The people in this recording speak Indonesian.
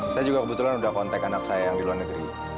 saya juga kebetulan sudah kontak anak saya yang di luar negeri